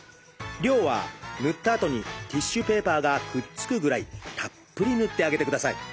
量は塗ったあとにティッシュペーパーがくっつくぐらいたっぷり塗ってあげてください。